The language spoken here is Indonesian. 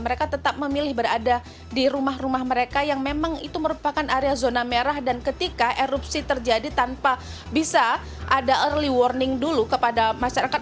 mereka tetap memilih berada di rumah rumah mereka yang memang itu merupakan area zona merah dan ketika erupsi terjadi tanpa bisa ada early warning dulu kepada masyarakat